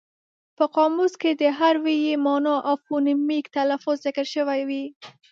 په قاموس کې د هر ویي مانا او فونیمک تلفظ ذکر شوی وي.